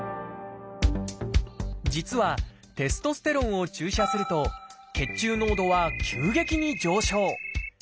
実はテストステロンを注射すると血中濃度は急激に上昇。